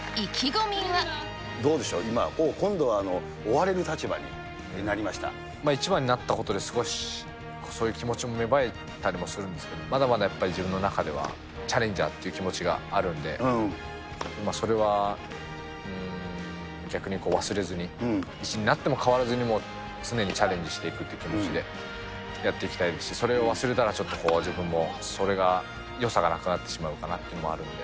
どうでしょう、今、今度は追１番になったことで、少しそういう気持ちも芽生えたりもするんですけど、まだまだやっぱり自分の中では、チャレンジャーっていう気持ちがあるんで、それは逆に忘れずに、１位になっても変わらずに、常にチャレンジしていくという気持ちでやっていきたいですし、それを忘れたらちょっとこう、自分もそれがよさがなくなってしまうかなというのもあるんで。